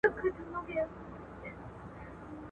د میني مخ د وینو رنګ پرېولی.